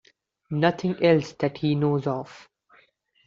Nothing else that he knows of.